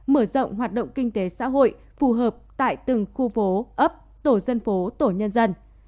mở rộng hoạt động kinh tế xã hội phù hợp tại từng khu phố ấp tổ dân phố tổ nhân dân